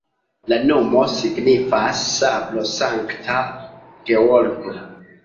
La nomo signifas: sablo-Sankta Georgo.